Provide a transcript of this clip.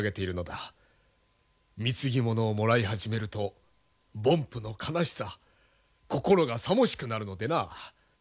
貢ぎ物をもらい始めると凡夫の悲しさ心がさもしくなるのでな。